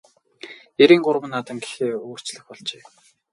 Эрийн гурван наадам гэхээ өөрчлөх болжээ.